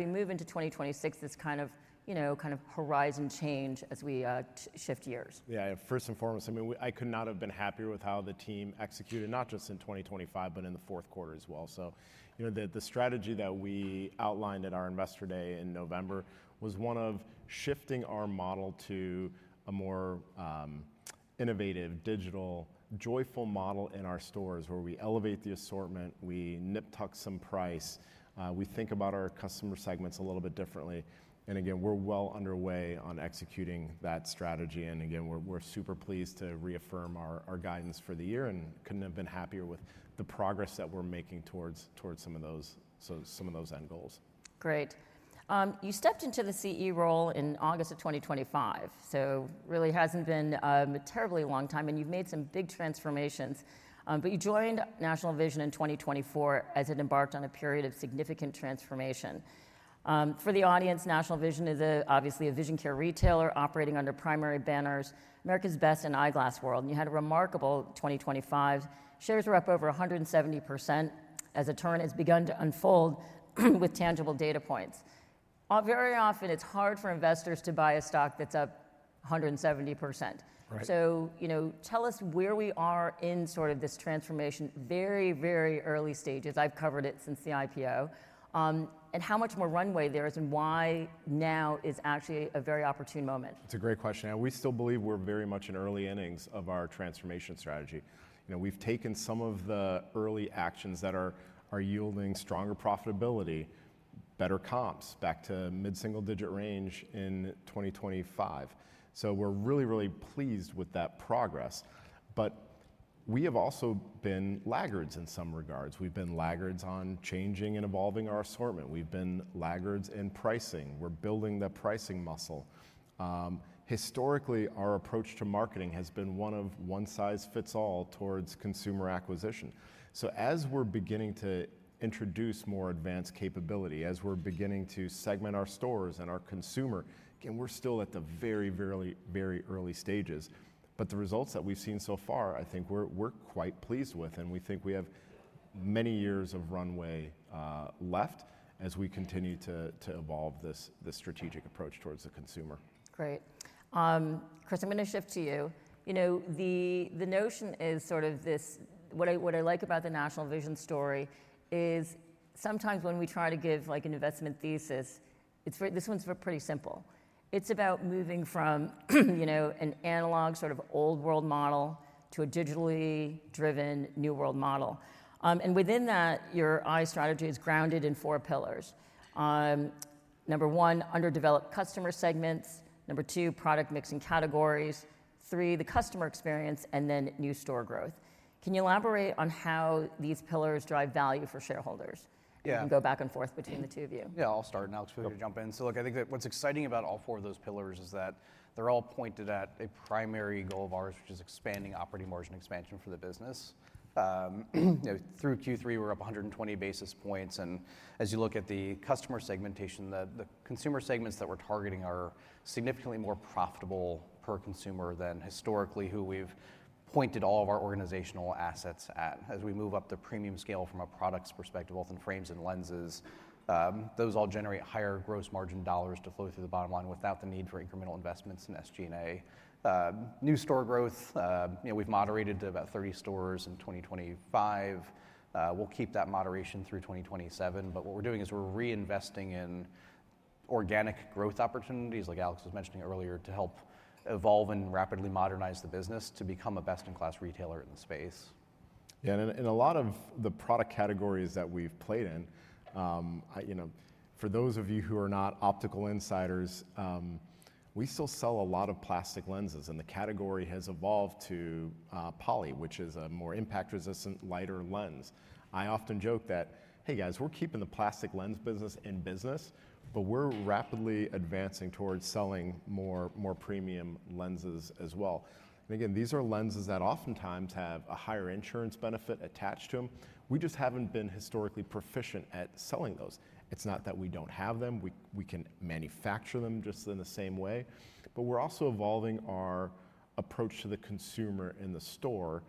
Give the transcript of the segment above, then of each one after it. Move into 2026, this kind of, you know, kind of horizon change as we shift years. Yeah, first and foremost, I mean, I could not have been happier with how the team executed, not just in 2025, but in the fourth quarter as well. So, you know, the strategy that we outlined at our investor day in November was one of shifting our model to a more, innovative digital joyful model in our stores, where we elevate the assortment, we nip-tuck some price, we think about our customer segments a little bit differently. And again, we're well underway on executing that strategy. And again, we're super pleased to reaffirm our guidance for the year and couldn't have been happier with the progress that we're making towards some of those end goals. Great. You stepped into the CEO role in August of 2025, so it really hasn't been a terribly long time, and you've made some big transformations, but you joined National Vision in 2024 as it embarked on a period of significant transformation. For the audience, National Vision is obviously a vision care retailer operating under primary banners, America's Best and Eyeglass World. You had a remarkable 2025. Shares are up over 170% as a turn has begun to unfold with tangible data points. Very often, it's hard for investors to buy a stock that's up 170%. Right. So, you know, tell us where we are in sort of this transformation, very, very early stages. I've covered it since the IPO and how much more runway there is and why now is actually a very opportune moment. It's a great question. And we still believe we're very much in early innings of our transformation strategy. You know, we've taken some of the early actions that are yielding stronger profitability, better comps back to mid-single digit range in 2025. So we're really, really pleased with that progress. But we have also been laggards in some regards. We've been laggards on changing and evolving our assortment. We've been laggards in pricing. We're building that pricing muscle. Historically, our approach to marketing has been one of one size fits all towards consumer acquisition. So as we're beginning to introduce more advanced capability, as we're beginning to segment our stores and our consumer, again, we're still at the very, very, very early stages. But the results that we've seen so far, I think we're quite pleased with, and we think we have many years of runway left as we continue to evolve this strategic approach towards the consumer. Great. Chris, I'm going to shift to you. You know, the notion is sort of this, what I like about the National Vision story is sometimes when we try to give like an investment thesis, this one's pretty simple. It's about moving from, you know, an analog sort of old world model to a digitally driven new world model. And within that, your eye strategy is grounded in four pillars. Number one, underdeveloped customer segments. Number two, product mix and categories. Three, the customer experience, and then new store growth. Can you elaborate on how these pillars drive value for shareholders? Yeah. You can go back and forth between the two of you. Yeah, I'll start and Alex will jump in. So look, I think that what's exciting about all four of those pillars is that they're all pointed at a primary goal of ours, which is expanding operating margin expansion for the business. You know, through Q3, we're up 120 basis points. And as you look at the customer segmentation, the consumer segments that we're targeting are significantly more profitable per consumer than historically who we've pointed all of our organizational assets at. As we move up the premium scale from a product's perspective, both in frames and lenses, those all generate higher gross margin dollars to flow through the bottom line without the need for incremental investments in SG&A. New store growth, you know, we've moderated to about 30 stores in 2025. We'll keep that moderation through 2027. But what we're doing is we're reinvesting in organic growth opportunities, like Alex was mentioning earlier, to help evolve and rapidly modernize the business to become a best-in-class retailer in the space. Yeah, and in a lot of the product categories that we've played in, you know, for those of you who are not optical insiders, we still sell a lot of plastic lenses, and the category has evolved to Poly, which is a more impact-resistant, lighter lens. I often joke that, hey guys, we're keeping the plastic lens business in business, but we're rapidly advancing towards selling more premium lenses as well. And again, these are lenses that oftentimes have a higher insurance benefit attached to them. We just haven't been historically proficient at selling those. It's not that we don't have them. We can manufacture them just in the same way. But we're also evolving our approach to the consumer in the store,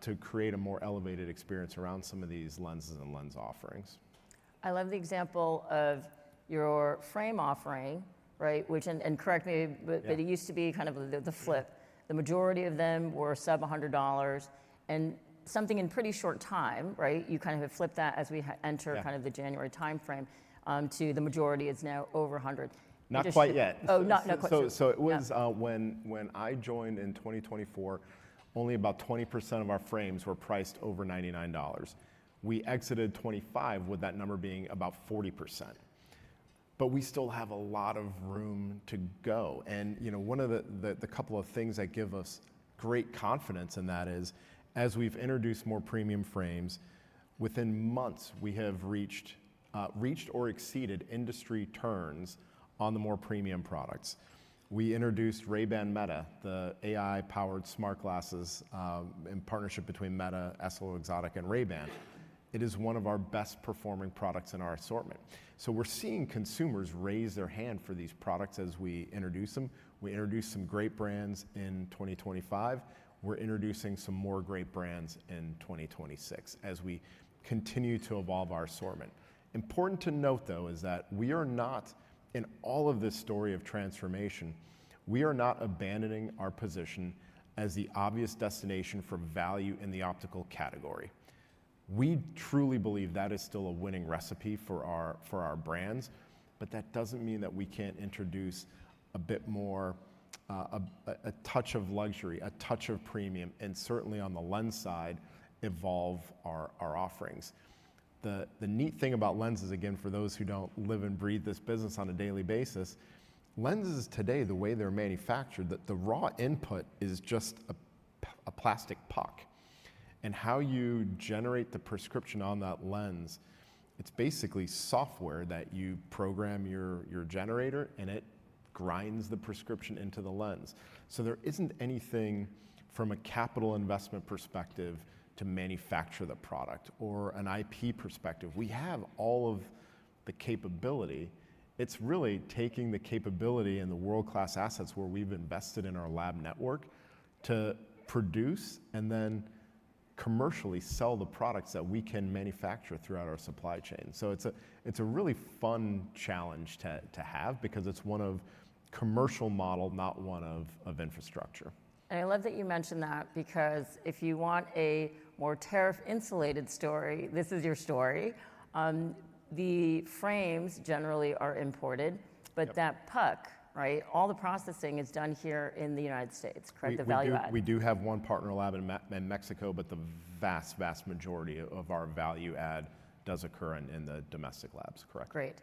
to create a more elevated experience around some of these lenses and lens offerings. I love the example of your frame offering, right? Which, and correct me, but it used to be kind of the flip. The majority of them were sub $100 and something in pretty short time, right? You kind of have flipped that as we enter kind of the January timeframe, to the majority is now over $100. Not quite yet. Oh, not quite yet. It was, when I joined in 2024, only about 20% of our frames were priced over $99. We exited 2025 with that number being about 40%. But we still have a lot of room to go. And, you know, one of the couple of things that give us great confidence in that is, as we've introduced more premium frames, within months, we have reached or exceeded industry turns on the more premium products. We introduced Ray-Ban Meta, the AI-powered smart glasses, in partnership between Meta, EssilorLuxottica, and Ray-Ban. It is one of our best performing products in our assortment. So we're seeing consumers raise their hand for these products as we introduce them. We introduced some great brands in 2025. We're introducing some more great brands in 2026 as we continue to evolve our assortment. Important to note, though, is that we are not in all of this story of transformation. We are not abandoning our position as the obvious destination for value in the optical category. We truly believe that is still a winning recipe for our brands, but that doesn't mean that we can't introduce a bit more, a touch of luxury, a touch of premium, and certainly on the lens side, evolve our offerings. The neat thing about lenses, again, for those who don't live and breathe this business on a daily basis, lenses today, the way they're manufactured, the raw input is just a plastic puck, and how you generate the prescription on that lens, it's basically software that you program your generator, and it grinds the prescription into the lens. So there isn't anything from a capital investment perspective to manufacture the product or an IP perspective. We have all of the capability. It's really taking the capability and the world-class assets where we've invested in our lab network to produce and then commercially sell the products that we can manufacture throughout our supply chain, so it's a really fun challenge to have because it's one of commercial model, not one of infrastructure. And I love that you mentioned that because if you want a more tariff-insulated story, this is your story. The frames generally are imported, but that puck, right, all the processing is done here in the United States, correct? The value add. We do have one partner lab in Mexico, but the vast, vast majority of our value add does occur in the domestic labs, correct? Great.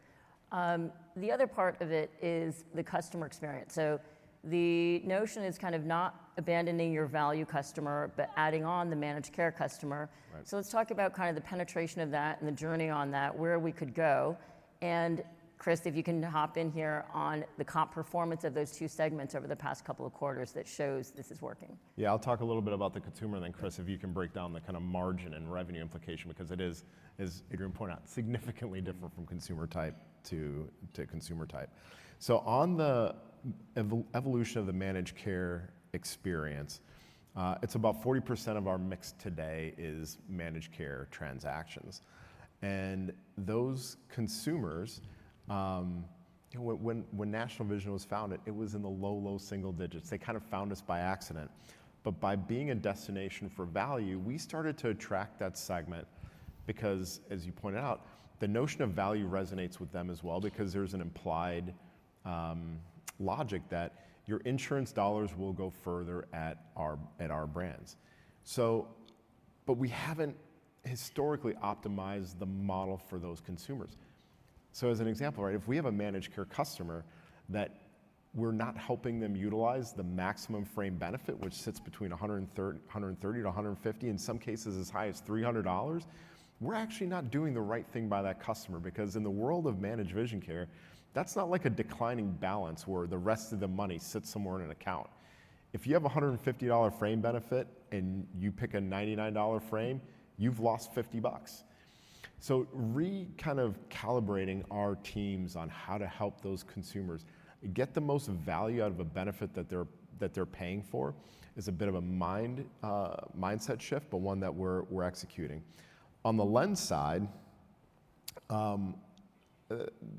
The other part of it is the customer experience. So the notion is kind of not abandoning your value customer, but adding on the managed care customer. So let's talk about kind of the penetration of that and the journey on that, where we could go. And Chris, if you can hop in here on the comp performance of those two segments over the past couple of quarters, that shows this is working. Yeah, I'll talk a little bit about the consumer and then Chris, if you can break down the kind of margin and revenue implication, because it is, as Adrian pointed out, significantly different from consumer type to consumer type, so on the evolution of the managed care experience, it's about 40% of our mix today is managed care transactions. And those consumers, when National Vision was founded, it was in the low, low single digits. They kind of found us by accident. But by being a destination for value, we started to attract that segment because, as you pointed out, the notion of value resonates with them as well because there's an implied logic that your insurance dollars will go further at our brands. So, but we haven't historically optimized the model for those consumers. So as an example, right, if we have a managed care customer that we're not helping them utilize the maximum frame benefit, which sits between $130-$150, in some cases as high as $300, we're actually not doing the right thing by that customer because in the world of managed vision care, that's not like a declining balance where the rest of the money sits somewhere in an account. If you have a $150 frame benefit and you pick a $99 frame, you've lost $50. So re-kind of calibrating our teams on how to help those consumers get the most value out of a benefit that they're paying for is a bit of a mindset shift, but one that we're executing. On the lens side,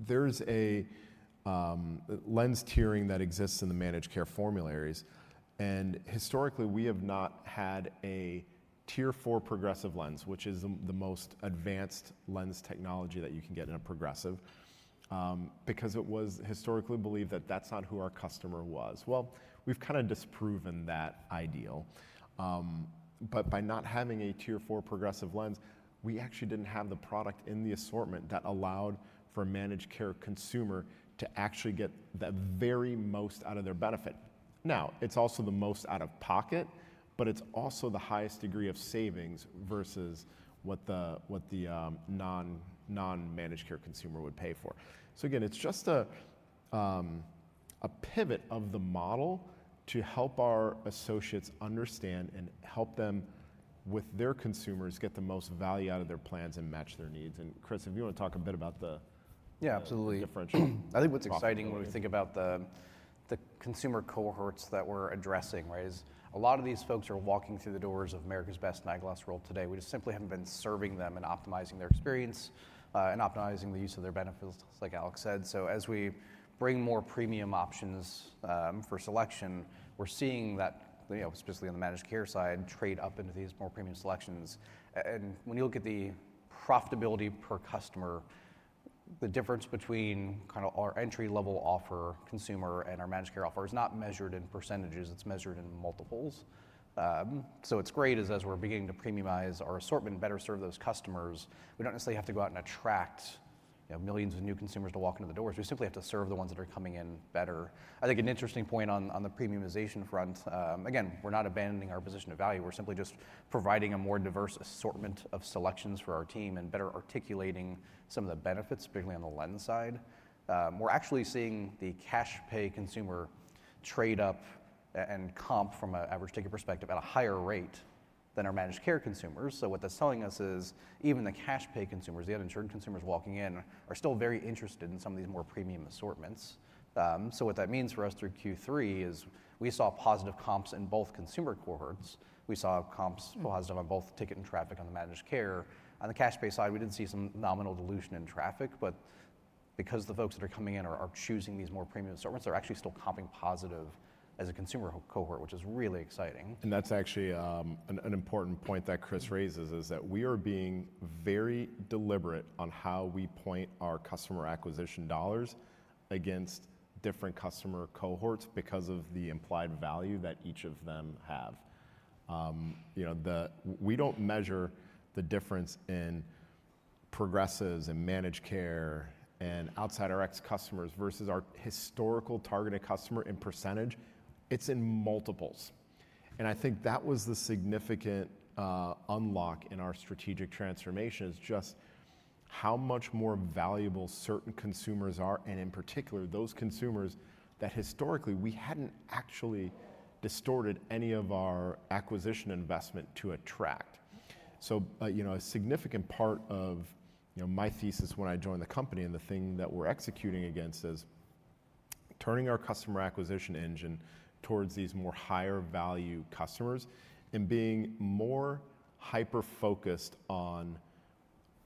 there's a lens tiering that exists in the managed care formularies. Historically, we have not had a tier four progressive lens, which is the most advanced lens technology that you can get in a progressive, because it was historically believed that that's not who our customer was. Well, we've kind of disproven that ideal. But by not having a tier four progressive lens, we actually didn't have the product in the assortment that allowed for a managed care consumer to actually get the very most out of their benefit. Now, it's also the most out of pocket, but it's also the highest degree of savings versus what the non-managed care consumer would pay for. Again, it's just a pivot of the model to help our associates understand and help them with their consumers get the most value out of their plans and match their needs. Chris, if you want to talk a bit about the. Yeah, absolutely. Differential. I think what's exciting when we think about the consumer cohorts that we're addressing, right, is a lot of these folks are walking through the doors of America's Best in Eyeglass World today. We just simply haven't been serving them and optimizing their experience and optimizing the use of their benefits, like Alex said. So as we bring more premium options for selection, we're seeing that, you know, especially on the managed care side, trade up into these more premium selections. And when you look at the profitability per customer, the difference between kind of our entry-level offer consumer and our managed care offer is not measured in percentages. It's measured in multiples. So what's great is as we're beginning to premiumize our assortment, better serve those customers, we don't necessarily have to go out and attract millions of new consumers to walk into the doors. We simply have to serve the ones that are coming in better. I think an interesting point on the premiumization front, again, we're not abandoning our position of value. We're simply just providing a more diverse assortment of selections for our team and better articulating some of the benefits, particularly on the lens side. We're actually seeing the cash pay consumer trade up and comp from an average ticket perspective at a higher rate than our managed care consumers. So what that's telling us is even the cash pay consumers, the uninsured consumers walking in, are still very interested in some of these more premium assortments. So what that means for us through Q3 is we saw positive comps in both consumer cohorts. We saw comps positive on both ticket and traffic on the managed care. On the cash pay side, we didn't see some nominal dilution in traffic, but because the folks that are coming in are choosing these more premium assortments, they're actually still comping positive as a consumer cohort, which is really exciting. That's actually an important point that Chris raises is that we are being very deliberate on how we point our customer acquisition dollars against different customer cohorts because of the implied value that each of them have. You know, we don't measure the difference in progressives and managed care and outside our existing customers versus our historical targeted customer in percentage. It's in multiples. And I think that was the significant unlock in our strategic transformation is just how much more valuable certain consumers are, and in particular, those consumers that historically we hadn't actually distorted any of our acquisition investment to attract. So, you know, a significant part of my thesis when I joined the company and the thing that we're executing against is turning our customer acquisition engine towards these more higher value customers and being more hyper-focused on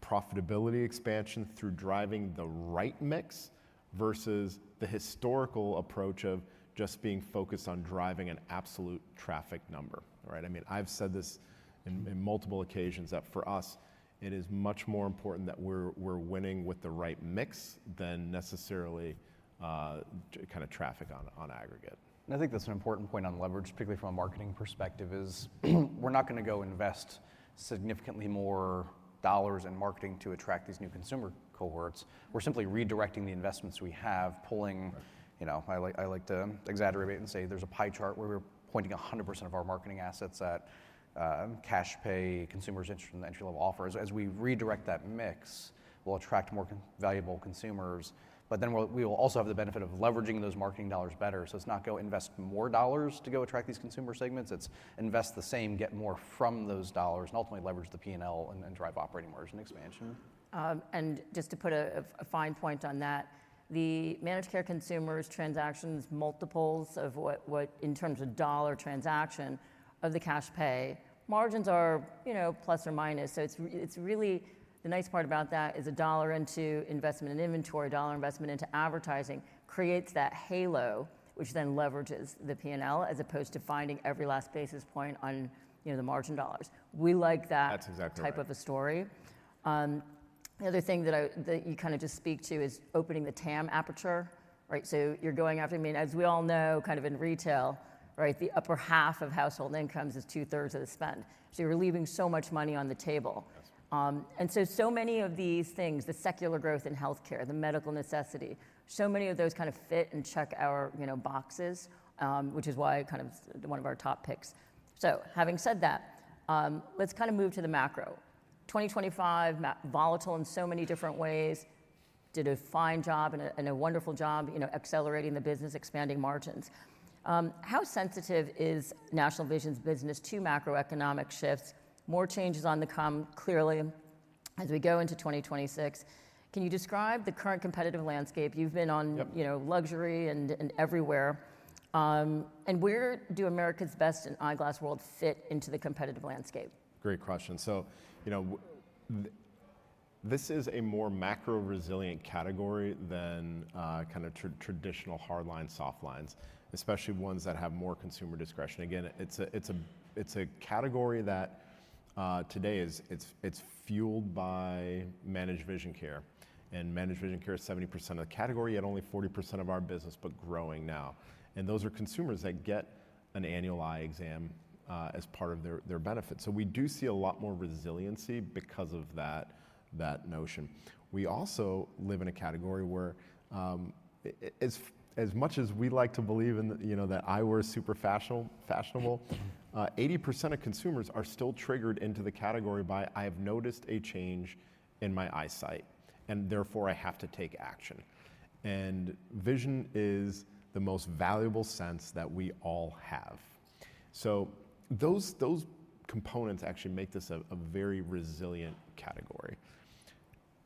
profitability expansion through driving the right mix versus the historical approach of just being focused on driving an absolute traffic number, right? I mean, I've said this in multiple occasions that for us, it is much more important that we're winning with the right mix than necessarily kind of traffic on aggregate. I think that's an important point on leverage, particularly from a marketing perspective, is we're not going to go invest significantly more dollars in marketing to attract these new consumer cohorts. We're simply redirecting the investments we have, pulling, you know, I like to exaggerate and say there's a pie chart where we're pointing 100% of our marketing assets at cash pay consumers' interest in the entry-level offers. As we redirect that mix, we'll attract more valuable consumers, but then we will also have the benefit of leveraging those marketing dollars better. It's not go invest more dollars to go attract these consumer segments. It's invest the same, get more from those dollars, and ultimately leverage the P&L and drive operating margin expansion. And just to put a fine point on that, the managed care consumers' transactions, multiples of what in terms of dollar transaction of the cash pay, margins are, you know, plus or minus. So it's really the nice part about that is a dollar into investment in inventory, a dollar investment into advertising creates that halo, which then leverages the P&L as opposed to finding every last basis point on, you know, the margin dollars. We like that type of a story. The other thing that you kind of just speak to is opening the TAM aperture, right? So you're going after, I mean, as we all know, kind of in retail, right, the upper half of household incomes is two-thirds of the spend. So you're leaving so much money on the table. So many of these things, the secular growth in healthcare, the medical necessity, so many of those kind of fit and check our, you know, boxes, which is why kind of one of our top picks. So having said that, let's kind of move to the macro. 2025, volatile in so many different ways, did a fine job and a wonderful job, you know, accelerating the business, expanding margins. How sensitive is National Vision's business to macroeconomic shifts? More changes to come clearly as we go into 2026. Can you describe the current competitive landscape? You've been on, you know, luxury and everywhere. And where do America's Best and Eyeglass World fit into the competitive landscape? Great question. So, you know, this is a more macro-resilient category than kind of traditional hard lines, soft lines, especially ones that have more consumer discretion. Again, it's a category that today is fueled by managed vision care. And managed vision care is 70% of the category and only 40% of our business, but growing now. And those are consumers that get an annual eye exam as part of their benefits. So we do see a lot more resiliency because of that notion. We also live in a category where, as much as we like to believe in, you know, that eyewear is super fashionable, 80% of consumers are still triggered into the category by, "I have noticed a change in my eyesight, and therefore I have to take action." And vision is the most valuable sense that we all have. So those components actually make this a very resilient category.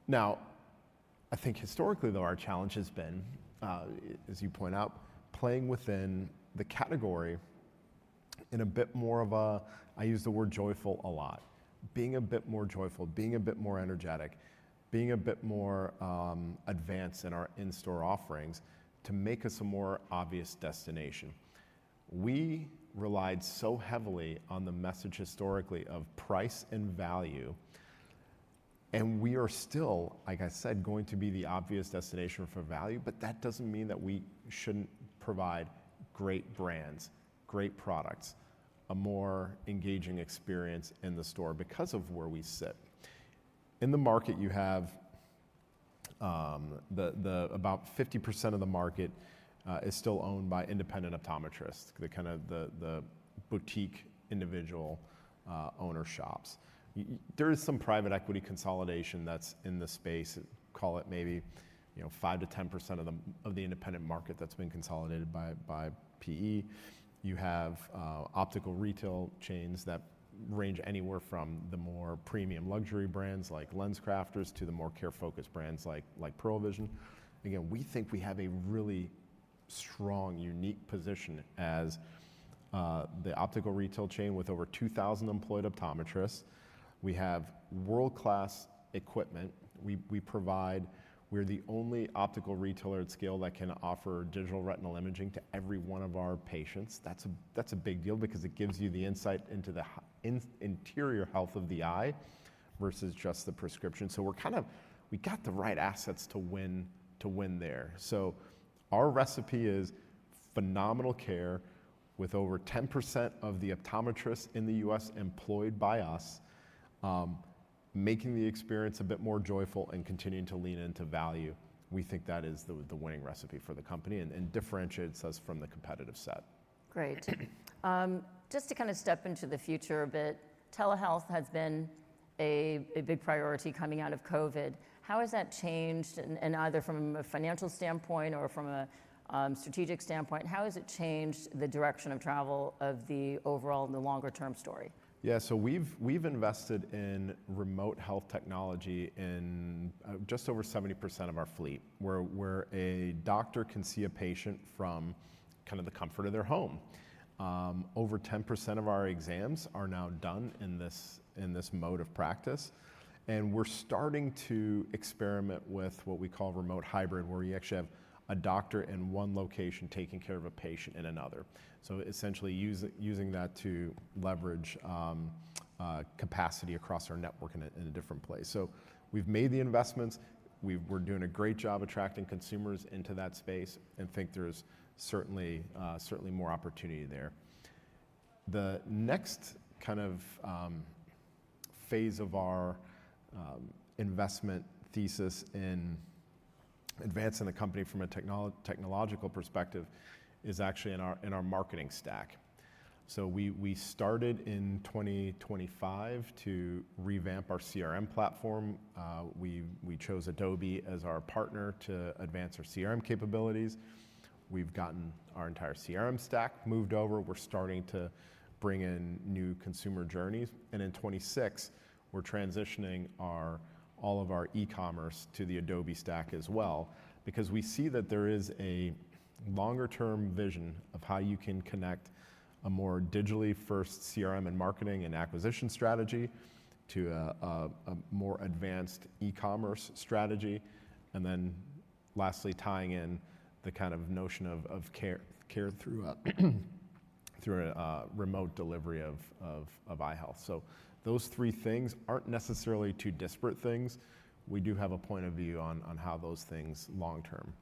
Now, I think historically, though, our challenge has been, as you point out, playing within the category in a bit more of a, I use the word joyful a lot, being a bit more joyful, being a bit more energetic, being a bit more advanced in our in-store offerings to make us a more obvious destination. We relied so heavily on the message historically of price and value, and we are still, like I said, going to be the obvious destination for value, but that doesn't mean that we shouldn't provide great brands, great products, a more engaging experience in the store because of where we sit. In the market, you have, about 50% of the market is still owned by independent optometrists, the kind of boutique individual owner shops. There is some private equity consolidation that's in the space. Call it maybe, you know, 5%-10% of the independent market that's been consolidated by PE. You have optical retail chains that range anywhere from the more premium luxury brands like LensCrafters to the more care-focused brands like Pearle Vision. Again, we think we have a really strong, unique position as the optical retail chain with over 2,000 employed optometrists. We have world-class equipment. We provide. We're the only optical retailer at scale that can offer digital retinal imaging to every one of our patients. That's a big deal because it gives you the insight into the interior health of the eye versus just the prescription, so we're kind of. We got the right assets to win there, so our recipe is phenomenal care with over 10% of the optometrists in the U.S. employed by us, making the experience a bit more joyful and continuing to lean into value. We think that is the winning recipe for the company and differentiates us from the competitive set. Great. Just to kind of step into the future a bit, telehealth has been a big priority coming out of COVID. How has that changed? And either from a financial standpoint or from a strategic standpoint, how has it changed the direction of travel of the overall, the longer-term story? Yeah, so we've invested in remote health technology in just over 70% of our fleet, where a doctor can see a patient from kind of the comfort of their home. Over 10% of our exams are now done in this mode of practice, and we're starting to experiment with what we call remote hybrid, where we actually have a doctor in one location taking care of a patient in another, so essentially using that to leverage capacity across our network in a different place, so we've made the investments. We're doing a great job attracting consumers into that space and think there's certainly more opportunity there. The next kind of phase of our investment thesis in advancing the company from a technological perspective is actually in our marketing stack, so we started in 2025 to revamp our CRM platform. We chose Adobe as our partner to advance our CRM capabilities. We've gotten our entire CRM stack moved over. We're starting to bring in new consumer journeys, and in 2026, we're transitioning all of our e-commerce to the Adobe stack as well because we see that there is a longer-term vision of how you can connect a more digitally-first CRM and marketing and acquisition strategy to a more advanced e-commerce strategy, and then lastly, tying in the kind of notion of care through a remote delivery of eye health, so those three things aren't necessarily too disparate things. We do have a point of view on how those things long-term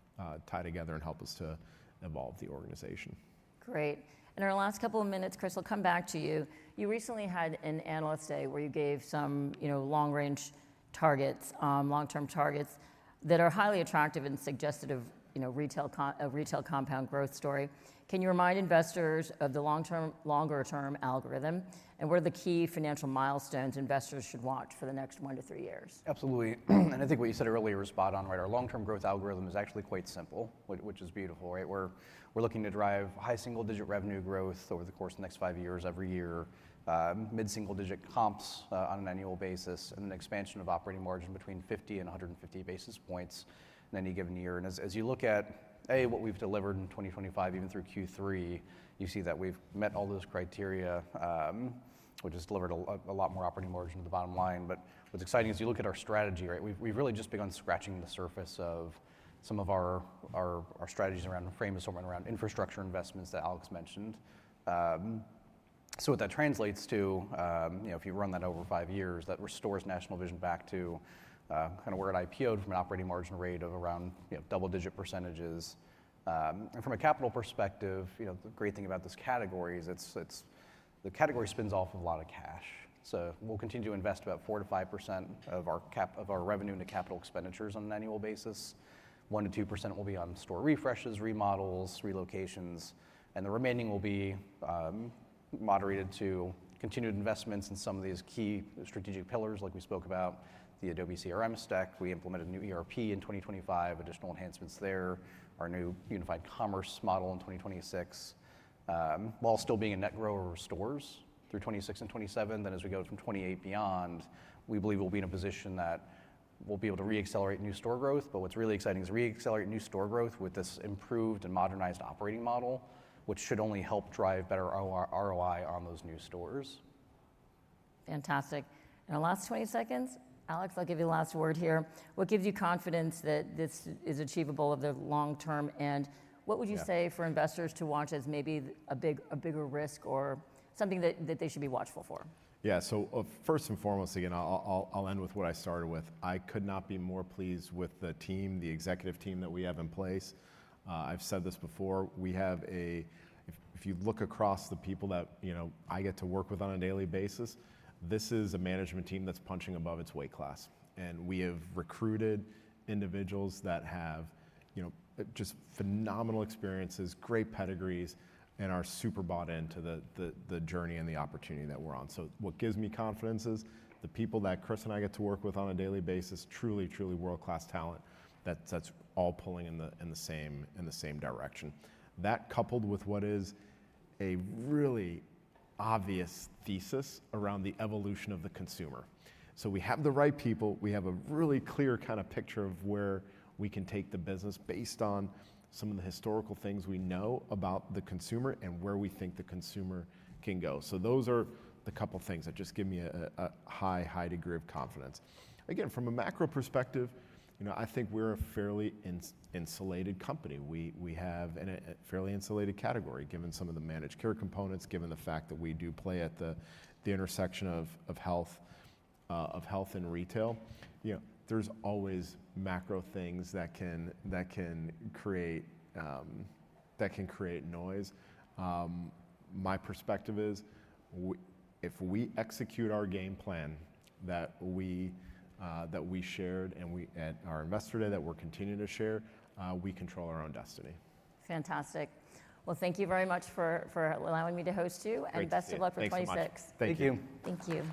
tie together and help us to evolve the organization. Great. In our last couple of minutes, Chris, I'll come back to you. You recently had an analyst day where you gave some long-range targets, long-term targets that are highly attractive and suggestive of a retail compound growth story. Can you remind investors of the longer-term algorithm and what are the key financial milestones investors should watch for the next one to three years? Absolutely. And I think what you said earlier is spot on, right? Our long-term growth algorithm is actually quite simple, which is beautiful, right? We're looking to drive high single-digit revenue growth over the course of the next five years every year, mid-single-digit comps on an annual basis, and an expansion of operating margin between 50 and 150 basis points in any given year. And as you look at what we've delivered in 2025, even through Q3, you see that we've met all those criteria, which has delivered a lot more operating margin to the bottom line. But what's exciting is you look at our strategy, right? We've really just begun scratching the surface of some of our strategies around frames, the store, and around infrastructure investments that Alex mentioned. What that translates to, you know, if you run that over five years, that restores National Vision back to kind of where it IPO'd from an operating margin rate of around double-digit percentages. From a capital perspective, you know, the great thing about this category is the category spins off of a lot of cash. We'll continue to invest about 4%-5% of our revenue into capital expenditures on an annual basis. 1%-2% will be on store refreshes, remodels, relocations, and the remaining will be moderated to continued investments in some of these key strategic pillars, like we spoke about the Adobe CRM stack. We implemented a new ERP in 2025, additional enhancements there, our new unified commerce model in 2026, while still being a net grower of stores through 2026 and 2027. Then as we go from 2028 beyond, we believe we'll be in a position that we'll be able to re-accelerate new store growth. But what's really exciting is re-accelerate new store growth with this improved and modernized operating model, which should only help drive better ROI on those new stores. Fantastic. In our last 20 seconds, Alex, I'll give you the last word here. What gives you confidence that this is achievable over the long term? And what would you say for investors to watch as maybe a bigger risk or something that they should be watchful for? Yeah, so first and foremost, again, I'll end with what I started with. I could not be more pleased with the team, the executive team that we have in place. I've said this before. If you look across the people that I get to work with on a daily basis, this is a management team that's punching above its weight class. And we have recruited individuals that have just phenomenal experiences, great pedigrees, and are super bought into the journey and the opportunity that we're on. So what gives me confidence is the people that Chris and I get to work with on a daily basis, truly, truly world-class talent that's all pulling in the same direction. That coupled with what is a really obvious thesis around the evolution of the consumer. So we have the right people. We have a really clear kind of picture of where we can take the business based on some of the historical things we know about the consumer and where we think the consumer can go. So those are the couple of things that just give me a high, high degree of confidence. Again, from a macro perspective, you know, I think we're a fairly insulated company. We have a fairly insulated category given some of the managed care components, given the fact that we do play at the intersection of health and retail. You know, there's always macro things that can create noise. My perspective is if we execute our game plan that we shared at our investor day, that we're continuing to share, we control our own destiny. Fantastic. Thank you very much for allowing me to host you and best of luck for 2026. Thank you. Thank you.